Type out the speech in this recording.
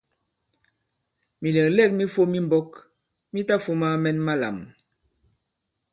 Mìlɛ̀glɛ᷇k mi fōm i mbōk mi tafūma mɛn malām.